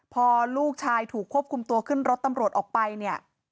พอลูกชายถูกควบคุมตัวขึ้นรถตำรวจออกไปเนี่ย